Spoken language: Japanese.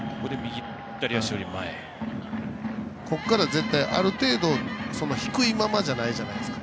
ここからある程度低いままじゃないですか。